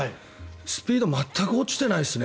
スピード全く落ちてないですね。